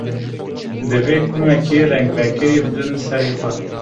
Divê kumekî rengvekirî bidin serê xwe.